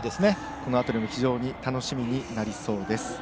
この辺りも非常に楽しみになりそうです。